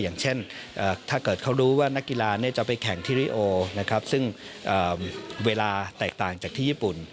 อย่างเช่นถ้าเกิดเขารู้ว่านักกีฬาจะไปแข่งที่ริโอนะครับซึ่งเวลาแตกต่างจากที่ญี่ปุ่น